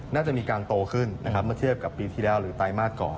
น่าจะมีการโตขึ้นนะครับเมื่อเทียบกับปีที่แล้วหรือไตรมาสก่อน